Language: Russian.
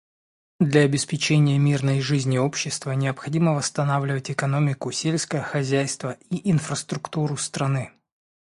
Для обеспечения мирной жизни общества необходимо восстанавливать экономику, сельское хозяйство и инфраструктуру страны.